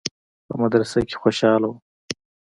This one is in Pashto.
په مدرسه کښې خوشاله وم.